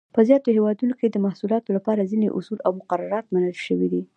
په زیاتو هېوادونو کې د محصولاتو لپاره ځینې اصول او مقررات منل شوي دي.